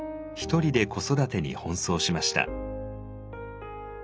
一人で子育てに奔走しました。